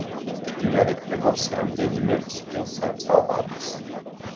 მდინარე კვებავს რამდენიმე მსხვილ სარწყავ არხს.